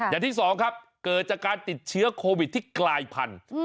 อย่างที่สองครับเกิดจากการติดเชื้อโควิดที่กลายพันธุ์